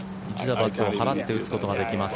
罰を払って打つことができます。